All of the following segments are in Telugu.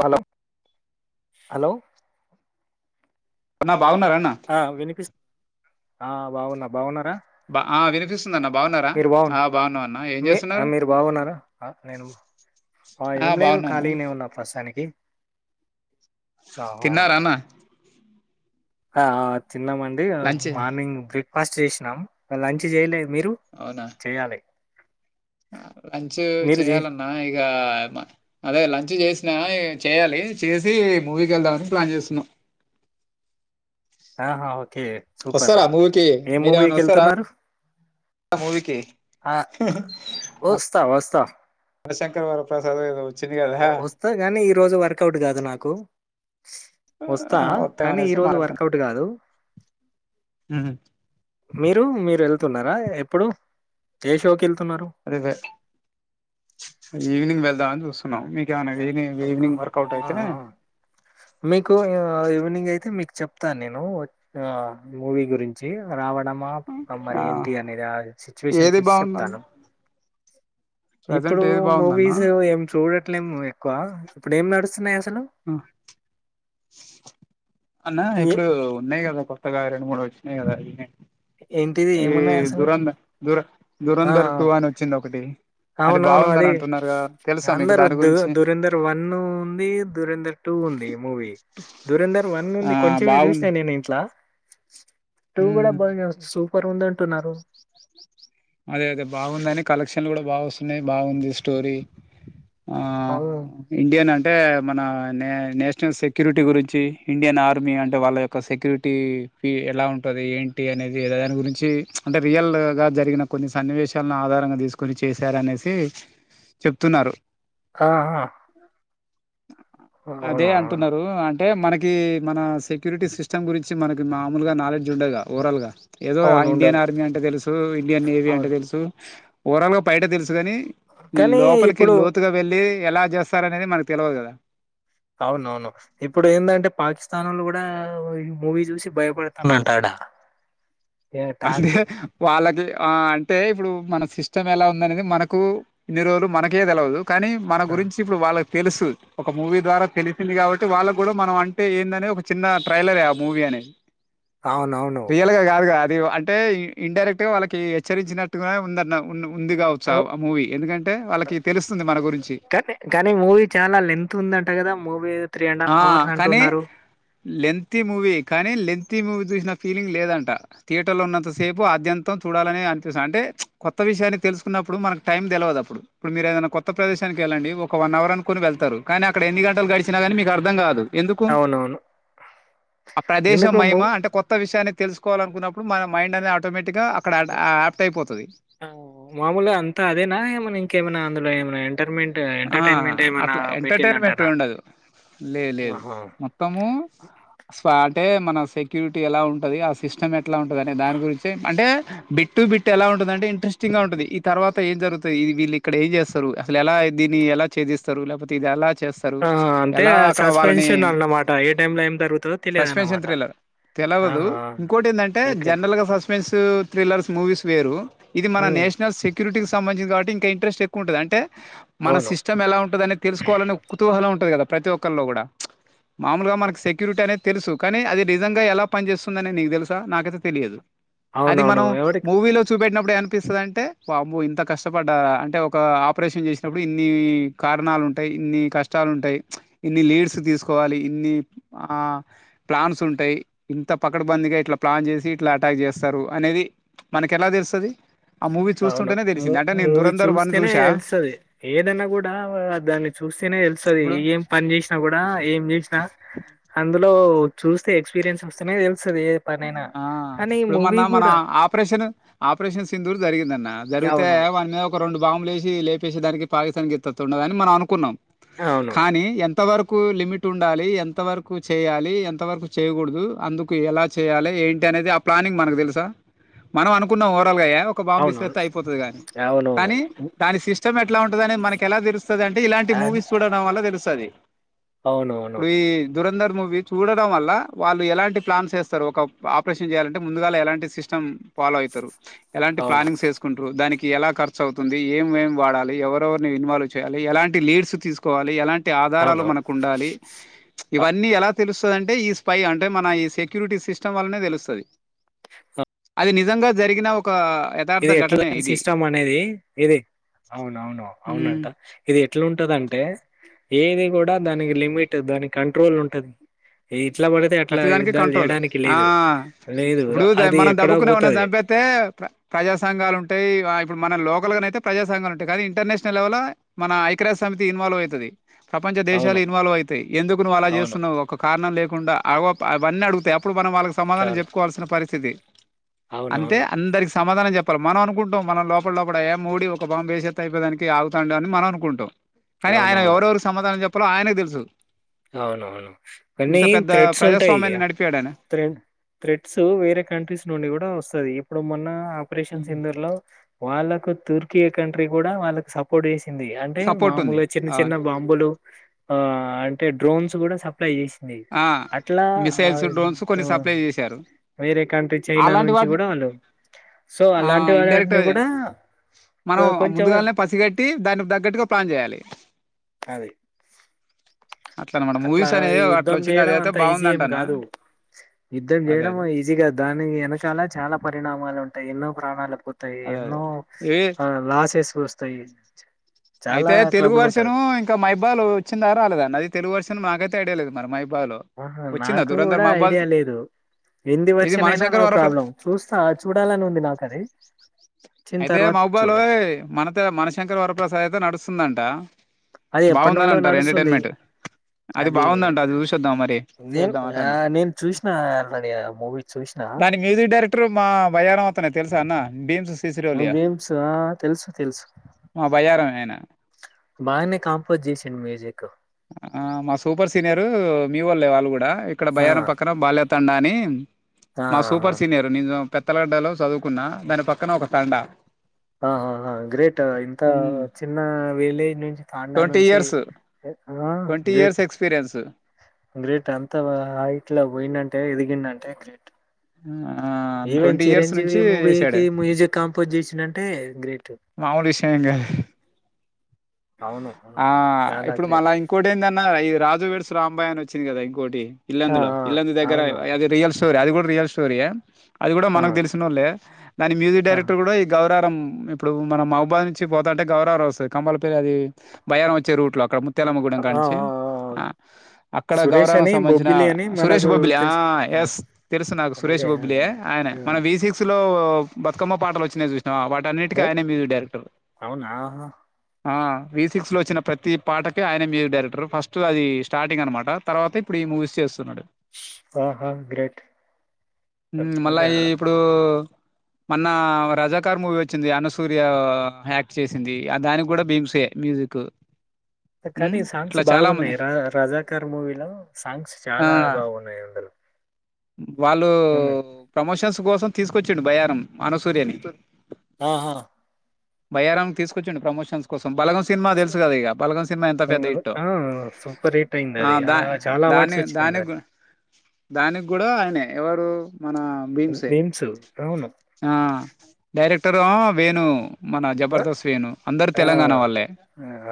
హలో హలో అన్నా బాగున్నారా అన్న ఆ వినిపిస్త ఆ బాగున్నా బాగున్నారా బా ఆ వినిపిస్తుంది అన్న బాగున్నారా మీరు బాగున్న ఆ బాగున్నాం అన్న ఏం మీ చేస్తున్నారు మీరు బాగున్నారా నేను ఆ ఏం లేదు బాగున్నా ఖాళీగానే ఉన్నా ప్రస్తుతానికి ఆ ఆ, తిన్నారాన్న ఆ తిన్నమండి ఆ లంచ్ మార్నింగ్ బ్రేక్ ఫాస్ట్ చేసినాం లంచ్ చేయలే మీరు అవునా చేయాలి లంచ్ మీరు చే చేయాలన్నా ఇగ అదే లంచ్ చేసి చేయాలి చేసి మూవీకి వెళ్దామని ప్లాన్ చేస్తున్నాం ఆహా ఓకే సూపర్ వస్తారా మూవీకి ఏ మీరేమైనా మూవీకి వస్తారా వెళ్తున్నారు మూవీకి వొస్తా వొస్తా మన శంకర వరప్రసాద్ ఏదో వచ్చింది కదా వస్తా కాని ఈ రోజు వర్కౌట్ కాదు నాకు వస్తా కానీ ఈ వత్తామనేసి రోజు మాట్లాడుతాను వర్కౌట్ కాదు ఉహు. మీరు మీరు వె న్నారా ఎప్పుడు ఏషోకెల్ అదేవ ఈవినింగ్ వెళ్దామని చుస్ మీకేమనా ఈ ఆహా, ఈవినింగ్ వర్కౌట్ అయితే ఆహా. మీకు ఈవినింగ్ అయితే మీకు చెప్తాను నేను మూవీ గురించి రావడం అన్నామా మరి ఆ ఏంటి అనేది ఆ సిచ్యువేషన్ ఏది చూసి బాగుందన్న చెప్తాను ప్రజెంట్ ఇప్పుడు ఏది బాగుందన్న మూవీస్ ఏమి చూడట్లేము ఎక్కువ ఇప్పుడు ఏం నడుస్తున్నాయి అసలు ఆ అన్నా ఏ ఇప్పుడు ఉన్నాయి్ కదా కొత్తగా రెండు మూడు వచ్చిన కదా ఏంటిది ఈ ఏమున్నాయి అసలు దురంధర్ దుర ఆ దురంధర్ టూ అని వచ్చింది ఒకటి అవునవును బాగుందని అది అంటున్నారు కదా తెలుసా మీకు దాని అందరొద్దు గురించి దురందరు వన్ను ఉంది టూ ఉంది మూవీ రేంధర్ వన్ ఆ ఉంది కొంచమ బాగుంది చూసినాను నేను ఇంట్లా టూ కూడా బానే వస్తూ పరు ఉందంటున్నారు అదే అదే బాగుందిని కలెక్షన్ కూడా బాగా వస్తున్నాయి బాగుంది స్టోరీ ఆ అవును ఇండియన్ అం అంటే మన నే నేషనల్ సెక్యూరిటీ గురించి ఇండియన్ ఆర్మీ అంటే వాళ్ళ యొక్క సెక్యూరిటీ ఫీ ఎలా ఉంటది ఏంటి అనేది దాని గురించి అంటే రియల్గా జరిగిన కొన్ని సన్నివేశాలను ఆధారంగా తీసుకుని చేశారనేసి చెప్తున్నారు ఆహా అదే అవునా అంటున్నారు అం అంటే మనకి మన సెక్యూరిటీ సిస్టమ్ గురించి మనకి మామూలుగా నాలెడ్జ్ ఉండదుగా ఓరల్గా ఏదో ఆ అవును ఉండదు ఇండియన్ ఆర్మీ అంటే తెలుసు నేవి అంటే అవును తెలుసు ఓరల్గ పైట తె కాని కానీ లోపలికి ఇప్పుడు లోతుగా వెళ్ళి ఎలా చేస్తార అనేది మనకు తెలవదు కదా అవునవును ఇప్పుడు ఏందంటే పాకిస్తాన్ వాళ్ళు కూడా ఈ మూవీ చూసి భయపడతాందంట ఆడ ఏ అంటే టాక్ వాళ్ళకి ఆ అంటే ఇప్పుడు మనం సిస్టమ్ ఎలా ఉంద అనేది మనకు ఇన్ని రోజులు మనకే తెలయదు కానీ మన గురించి ఇప్పుడు వాళ్ళ తెలుసు ఒక మూవీ ద్వారా తెలిసింది కాబట్టి వాళ్ళకు కూడా మనం అంటే ఏందనే ఒక చిన్న ట్రైలరే ఆ మూవీ అనేది అవునవును రియల్ గా కాదుగా అది అంటే ఇన్డైరెక్ట్ గా వాళ్ళకి హెచ్చరించినట్టుగానే ఉందన్న ఉంది కావచ్చు ఆ మూవీ ఎందుకంటే వాళ్ళకి తెలుస్తుంది మన గురించి కానీ కానీ మూవీ చాలా లెంత్ ఉందంట కదా మూవీ త్రీ అండ్ హాఫ్ ఆ అవర్స్ కానీ అంటున్నారు లెంతత్ీ మూవీ కానీ లెంతత్ ప్రతి మూవీ చూసిన ఫీలింగ్ లేదంట థియేటర్ లో ఉన్నంత సేపు అద్యంతం చూడాలని అనిపిస్తుంది అంటే కొత్త విషయాన్ని తెలుసుకున్నప్పుడు మనకు టైం తెలివదు అప్పుడు ఇప్పుడు మీరు ఏదైనా కొత్త ప్రదేశానికి వెళ్ళండి ఒక వన్ అవర్ అనుకుని వెళ్తారు కానీ అక్కడ ఎన్ని గంటలు గడిచినా కాగానీ మీ అర్థం కాదు ఎందుకు అవునవును ఆ ప్రదేశం ఎందుకు మూ మహిమా అంటే కొత్త విషయాన్ని తెలుసు కోవాలనుకున్నడు మైండ్ అనేది ఆటోమేటిక్ మామూలు అంతా అదేనా ఏమన్నా ఇంకేమైనా అందులో ఏ రండ్ ఆ అట్లా ఎంటర్టైన్మెంట్ పెట్టిందంటనా ఉండదు లే లేదు ఆహా. మొత్తము స్వా అంటే మనం సెక్యూరిటీ ఎలా ఉంటది ఆ సిస్టం ఎట్లా అనే దాని గురించే అంటే బిట్టుబిట్ ఎలా ఉంటుందంటే ఇంటరెస్టుగా ఉంటుంది ఈ తర్వాత ఎం జరుగుతుంది ఇది వీళ్ళు ఇక్కడ ఎం చేస్తారు అసలు ఎలా దీని ఎలా చేదిస్తారు లేపోతే ఇది ఎలా చేస్తారు ఆ, అంతే ఎలా అక్కడ వాళ్ళని సస్పెన్షన్ అన్నమాట ఏ టైంలో ఏం జరుగుతుందో తెలియదు అన్నమాట సస్పెన్షన్థ్రిల్లర్ తెలవదు ఆహా. ఇంకోటి ఏంటంటే ఓకే జనరల్ గా సస్పెన్స్ థ్రిల్లర్స్ మూవీస్ వేరు ఇది మన ఉమ్. నేషనల్ సెక్యూరిటీ సంబధించి కాబట్టి ఇంకా ఇంటరెస్ట్ ఎక్కువ ఉంటది అంటే మన అవును. సిస్టమ్ ఎలా ఉంటదనే తెలుసుకోలనే కుతూహలం ఉంటది కదా ప్రతి ఒక్కరిలో కూడా మామూలుగా మనకి సెక్యూరిటీ అనేది తెలుసు కానీ అది నిజంగా ఎలా పనిచేస్తుందని నీకు తెలుసా నాకైతే తెలియదు అది అవునవును. మనం ఎవడికి మూవీలో చూపెట్టిన ఇప్పుడే అనిపిస్తుందంటే వాంబో ఇంత కష్టపడ్డ అంటే ఒక ఆపరేషన్ చేసి ఇప్పుడు ఇన్ని కారణాలు ఉంటాయి ఇన్ని కష్టాలు ఉంటాయి. ఇన్ని లీడ్స్ తీసుకోవాలి ఇన్ని ఆ ప్లాన్స్ ఉంటాయి. ఇంత పకడ్బందగా ఇట్లా ప్లాన్ చేసి ఇట్లా అటాక్ చేస్తారు అనేది మనకి ఎలా తెలుస్తది. ఆ మూవీ అవును. చూస్తుంటేనే మూ తెలిసింది అంటే నేను మూవీ దురంధర్ వన్ చూస్తేనే చూసా తెలుస్తది. ఏదన్నా కూడా దాన్ని చూస్తేనే తెలుస్తది ఇప్పుడు ఏం పని చేసినా కూడా ఏం చేసినా అందులో చూస్తే ఎక్స్పీరియన్స్ వస్తునే తెల్ ఆ ఇప్పుడు మొన్న మన గూడా ఆపరేషన్ ఆపరేషన్ సింధుర్ జరిగిందన్న జరిగితే అవునవును. వాని మీద ఒక రెండు బాములు లేపేసే దానికి పాకిస్తానికి ఎత్తతుండదని మనం అనుకున్నాం. అవునవును. కానీ ఎంత వరకు లిమిట్ ఉండాలి ఎంత వరకు చేయాలి ఎంత వరకు చేయకూడదు అందుకు ఎలా చెయ్యాలి ఏంటి అనేది ఆ ప్లానింగ్ మనకు తెలుసా మనం అనుకున్నాం ఓవరాల్గా ఒక బాంబు అవునవును. ఐసిరేత్తే అయిపోతది గాని కానీ అవునవునవును. హ్మ్. దాని సిస్ట్ [unintelligible] ఎట్లావుంటదని మనకెలా తెలుస్తు అంటే ఇలాంటి అన్ మూవీస్ చూడడం వల్ల తెలుస్త స్తది అవునవును. ఇప్పుడు ఈ దురంధర్ మూవి చూడడం వల్ల వాళ్ళు ఎలాంటి ప్లాన్స్ ఏస్త సారు ఒక ఆపరేషన్ చేయాలంటే ముందుగా ఎలాంటి సిస్టమ్ ఫాలో అయితరు ఎలాంటి అవును. ప్లానింగ్స్ వేసుకుంటరు దానికి ఎలా ఖర్చు అవుతుంది ఏమేమేం వాడాలి ఎవరెరోవరిని ఇన్వాల్వ్ చేయాలి ఎలాంటి లీడ్స్ తీసుకోవాలి ఎలాంటి టి ఆధారాలు అవును. మనకు ఉండాలి అ ఇవన్నీ ఎలా తెలుస్తదంటే అంటే ఈ స్పై అంటే మన ఈ శక్ క్యూరిటీ సిస్టమ్ వాల్నే తెలుస్తది. నిజంగా జరిగిన ఒక యథార్థ ఇది ఎట్లా ఘటనే ఇది సిస్టమ్ అనేది ఇది అవున అవును అవునంట ఇది ఎట్లుంటదంటే ఏది కూడా దానికి లిమిట్ దానికి కంట్రోల్ ఉంటది ఈ ప్రతిదానికి కంట్రోల్ ఆ లేదు ఇప్పుడు ద అది మనం ఎక్కడో దబుకున ఎవర్నన్నా పోతది. చంపేతే ప్ర ప్రజా సంఘాలు ఉంటాయి ఇగ ఇప్పుడు మన లోకల్గాన అయితే ప్రజా సంఘాలు ఉంటాయి, కానీ ఇంటర్నేషనల్ లెవల్ ల మన ఐకరాజ సమితి ఇన్వాల్వ్ అయితది. ప్రపంచ దేశాలు అవును. ఇన్వాల్వ్ అయితయి, ఎందుకు నువ్వు అలా అవును. చేస్తున్నావు ఒక కారణం లేక్ కుండ ఆగోప అవన్నీ అడుగుతయి అప్ ప్పుడు మనం వాళ్ళకి సమాధానం అవును. చెప్పుకోవాల్సిన పరి తిథి అంటె అవునవును. అందరి స్ సమాధానం చెప్పాలి మనం అనుకుంటాం, మనం లోపల లోపల ఏ మోడీ ఒక బాంబ్ ఎస్తేత్తే అయిపోయ దానికి ఆగుతాండు అని మనం అనుకుంటం. కానీ ఆయన అవునవును. ఎవరెవోరు సమాధానం చెప్ పలో ఆయనకి తెలుసు అవునువును వన్నీ ఇంత పెద్ద థ్రెట్స్ న్ టె ఇగ ప్రజాస్వామ్యాన్ని నడిపాడు ఆయన త్రెడ్ థ్రెడ్స్ వేరే కంట్రీస్ నుండి కూడా వస్తది ఇప్పుడు మొన్న ఆపరేషన్ సింధూర్ లో వాళ్ళ తూర్కియా కంట్రీ కూడా వాళ్ళకి సపోర్ట్ చేస్ ది అంటే సపోర్ట్ ఉంది మామూలు చిన్న అవును చిన్న బాంబులు ఆ అన్ డ్రోన్స్ కూడా సప్లై చేస్ ది ఆ అట్ల మిసైల్స్ డ్రోన్స్ కొన్ని సప్లై చేశారు వేరే కంట్రీ చైనా అలాంటి నుంచి వాటిని కూడా వాళ్ళు, సో ఆ అలాంటి వాళ్ళ ఇండైరెక్ట్ నటి కూడా మనం కొ- కొంచెం ముందుగాల్ నే పసిగట్టి దానికి తగ్గట్టుగా ప్లాన్ చేయాలి అది అనమాట అట్లా మూవీస్ ఈ అనేది అట్లా యుద్ధం వచ్చింది అది చేయడం అయితే అంత ఈజీ ఏం బాగుందంటానా కాదు, యుద్ధం అదే చేయడం అదే ఈజీ కాదు, దాని ఏనకాల చాలా పరిణామాలు ఉంటాయి ఎన్నో. ప్రాణాలు పోతాయి అదే అదే ఎన్నో ఏ లోసెస్ వస్ తయ్ అయితే తెలుగు వర్షను ఇంకా మైబాల్ వచ్చింద రాలేదా నది తెలు గు వర్షన్ మాకైతే ఐడియా లేద్ మరి మై బ్ ఆ హా నాకు కూడా ఐడియా లేదు. హిందీ ఇది వర్షన్ అయినా మనశంకర నో వరప్ర ప్రాబ్లం చూస్తా చూడాలని ఉంది, నాకు అది వచ్చిన అయితే తర్వాత మహబాలో చూడు అదే నడుస్తుందంట అది ఎప్పటి బాగుందని నుండో అంటారు నడుస్తుంది. ఎంటర్టైన్మెంట్ అది బాగుందంట అది చూసొద్దాం మరి నేన్ చూద్దాం ఆ అంటన్న నేన్ చూసినా ఆల్రెడీ ఆ మూవీ చూసినా, దాని మ్యూజిక్ డైరెక్టర్ మా బయ్యారం అతనే తెలుసా అన్న భీమ్స్ హు సిసిరోలియా బీమ్స్ తెలుసు తెలుసు బయారాం ఆయన బాగనే కాంపోజ్ చేసిండు మ్యూజిక్ మా సూపర్ సీనియరు మీ వోళ్లే వాళ్ళు కూడా ఇక్కడ ఆ భయారం పక్కన బాల్యత్ తండాని ఆ మా సూపర్ సీనియరు ని పెత్తలడ్డలో చదువుకున్న దాని పక్కన ఒక తాండ ఆ గ్రేట్ ఇంత అంత చిన్న విలేజ్ నుంచి తడా ట్వంటీ నుంచి years twenty years great experience great అంత హైట్లా పోయిందంటే ఎదిగిందండి అదే గ్రేట్ ఆ ఈవెన్ చిరంజీవి మూవీకిి మ్యూజిక్ కాంపోజ్ చేసినండి గ్రేట్ మాముడి సంగా అవును అవును ఆ చాలా ఇప్పుడు మళ్ళా గ్రేట్ ఇంకోటి ఏంటన్న ఈ రాజు విేడ్స్ రాంబాయి అని వచ్చి వచ్చి కదాంకోటి ఆ ఇల్ందులో ఇల్ందు ఆ దగ్గర అవును అది రియల్ స్టోరి అది కూడా రియల్ స్టోరియా అది కూడా ఆ మనకు తెలిసినళ్ లే దని మ్యూజక్ ఆ ఆ డరెటర్ కూడా గవర్ రం ఇప్పుడు మనం మహబాద్ నుంచి పోతా అంటే గౌరవ వస్తుంది కమల్ పేరు అది భయాారం వచ్చే రూట్ లో అక్కడ తెలమగూడె ఆ ఆ. కాంచి ఆ అక్కడ సురేష్ గౌరవనికి అని సంబంధించిన బొబ్బిలి అని సురేష్ మనకు బొబ్బిలి ఆ తెలుసు ఆ, ఎస్ తెలుసు నాకు సురేష్ అదే బొబ్బిలి అదే ఆయన ఆ. మన వి సిక్స్ లో బతుకమ్మ పాటలు వచ్చినాయి చూసాం ఆ పాటాన్ని కి ఏ? ఆయనే మ్యూజిక్ డైరెక్టరు అవునా ఆ వి సిక్స్ లో వచ్చిన ప్రతి పాటకే ఆయనే మ్యూజిక్ డైరెక్టర్ ఫస్ట్ అది స్టార్టింగ్ అనమాట తర్వాత ఇప్పుడు ఈ మూవీస్ చేస్తున్నాడు ఆహా గ్రేట్. హ్మ్ మళ్ళా ఇంకా ఈ ఇప్పుడు మొన్న రజాకార్ మూవీ వచ్ వచ్చింది అనసూర్య యాక్ట్ చేసింది ఆ దానికి కూడా బీమ్సే మ్యూజిక్ కానీ ఉమ్, సాంగ్స్ ఇట్లా చాలా మంది బాగున్నాయి ర రజాకర్ మూవీలో సాంగ్స్ ఆ చాలా బాగున్నాయి అందులో కూర్చుండు భయారం అనసూర్య నీ ఆహా! బయ్యారం తీసుకొచ్చిండు ప్రమోషన్స్ కోసం బలగం సినిమా తెలుసు కదా ఇక బలగం సినిమా ఎంత పెద్ద అవును. హిట్టో ఆ! సూపర్ హిట్ అయింది ఆ అది. దా చాలా దాని అవార్డ్స్ వచ్చినాయి దానికి దానికి కూడా ఆయనే ఎవరు మన భీమ్సే మీమ్స్ అవును. ఆ డైరెక్ట్ క్టర వేణు మన జబర్దస్త్ వేణు అందరు ఆ! తెలంగాణ వాళ్లే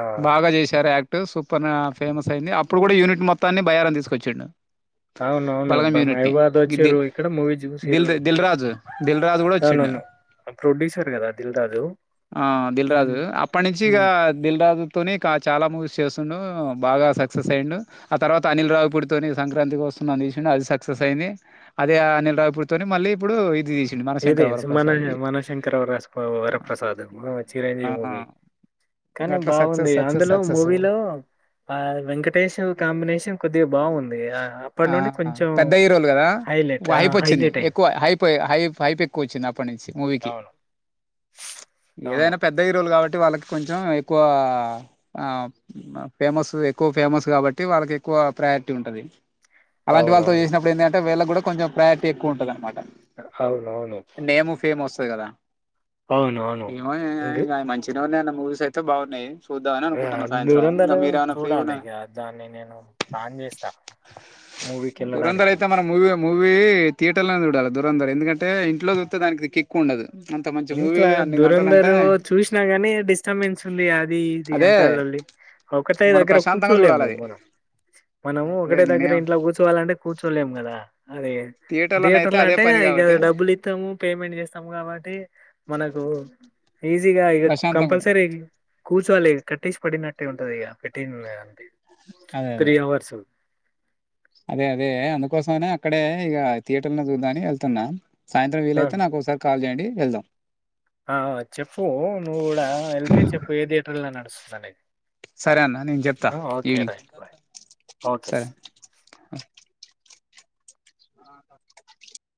ఆ! బాగా చేశారు యాక్ట్ సూపర్ ఫేమస్ అయింది అప్పుడు కూడా యూనిట్ మొత్తాన్ని బయ్యారం తీసుకొచ్చిండు అవున అవును బలగం యూనిట్ ని మైబాద్ వచ్చిర్రు ఇక్కడ మూవీ దిల్ చూసిర్రు దిల్ రాజు దిల్ రాజు కూడా వచ్చిండు అవునను అప్పు ఆ దిల్ రాజు హ్మ్. అప్పటి నుంచి ఇక హ్మ్. దిల్ రాజు తోనే ఇక చాలా మూవీస్ చేస్తుండు బాగా సక్సెస్ అయిండు ఆ తర్వాత అనిల్ రావు పూడితోని సంక్రాంతికి వస్తున్నాం తీసిండు అది సక్సెస్ అయింది అదే అనిల్ రావు పూడితోని మళ్ళీ ఇప్పుడు ఇది తీసి మన ఇదే శంకర్ మన వరప్రసాద్ మన శంకర్ వరస్పవ వరప్రసాద్ ఆ చిరంజీవి మూవీ కానీ అట్లా బాగుంది సక్సెస్ సక్సెస్ అందులో సక్సెస్ మూవీలో ఆ వెంకటేష్ కాంబినేషన్ కొద్దిగా బాగుంది అప్పటి ఆ నుండి కొంచెం పెద్ద హీరోలు కదా హైలైట్ హైప్ హైలైట్ అయింది కొచ్చింది అప్పటి నుంచి అవును. అవును. ఏదైనా పెద్ద హీరోలు కాబ ట్టి వాళ్ళకి కొంచెం ఎక్కువ అ ఫేమస్ ఎక్కువ ఫేమస్ కాబట్టి వాళ్ళకి ఎక్కువ ప్రయారిటీ ఉంటాది అలాంటి వాళ్ళతో అవునవును. చేసినప్పుడు ఏంది అంటే వేళ్ళకు కూడా కొంచం ప్రయారిటీ ఎక్కువ ఉంటది అనమాట అవును అవును త్తది కదా అవును అవును ఏందీ నవీన్ అన్నా మూవీస్ అయితే బాగున్నాయి చూద్దామని ఆ అనుకుంటున్నా సాయంత్రం దురంధర్ ఇంకా మీరేమైనా చూడాలి ఫ్రీగున్నారా ఇగ దాన్ని నేను ప్లాన్ చేస్తా మూవీకి దురంధర్ వెళ్ళడానికి అయితే మనం మూవీ మూవీ థియటర్ లోనే చూడాలి దూరందర్ ఎందుకంటే ఇంట్లో చూత్తే దానికి కిక్ కూండదు ఇంట్ల దురందరు చూసినా గాని డిస్టబెన్స్ ఉంది అది ఇది అదే అంతా లొల్లి ఒకటే మనం దగ్గర ప్రశాంతంగా చూడాలి కూర్చోలేము అది మనం మనము అదే ఒకటే దగ్గర నేనేం ఇంట్ల కూర్చోవాలంటే కూర్చోలేము కదా అదే థియేటర్లోనే థియేటర్ అయితే లో అదే అంటే పని ఇక కాబట్టి డబ్బులు ఇత్తము పేమెంట్ చేస్తాము కాబట్టి మనకు ఈజీగా ఇక ప్రశాంతంగా ఉంటది కంపల్సరీ కూచోవాలి కట్టేసి పడిన ఉంటది ఇగ అదే అదే త్రీ హవర్స్ అదే అదే అందుకోసమని అక్కడే ఇక థియేటర్ లో చూద్దాని వెళ్తున్నా సాయంత్రం ఆ వీలైతే నాకు ఒకసారి కాల్ చేయండి కి వెళ్దాం ఆ అ చెప్పు నువ్వు కూడా వెళ్తే చెప్పు ఏ థియేటర్లా నడుస్తు ఆనే సరే అన్న నేను చెప్తా ఈవినింగ్ రైట్ బాయ్ ఓకే సరే